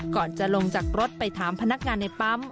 ก่อนจะลงจากรถไปถามพนักงานในปั๊ม